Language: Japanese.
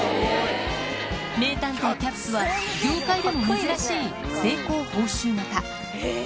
名探偵キャッツは、業界でも珍しい成功報酬型。